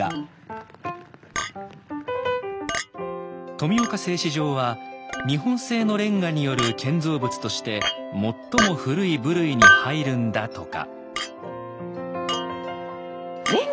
富岡製糸場は日本製のレンガによる建造物として最も古い部類に入るんだとか。